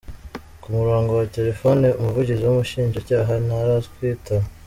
Ku murongo wa telefone, Umuvugizi w’Ubushinjacyaha ntaratwitaba.